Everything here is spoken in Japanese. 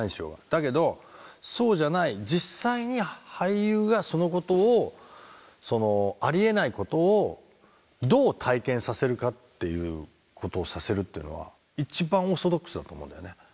だけどそうじゃない実際に俳優がそのことをありえないことをどう体験させるかっていうことをさせるっていうのは一番オーソドックスだと思うんだよね。